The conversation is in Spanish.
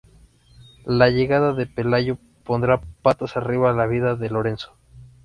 La llegada de Pelayo pondrá patas arriba la vida de Lorenzo.